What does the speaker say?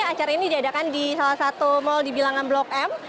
acara ini diadakan di salah satu mal di bilangan blok m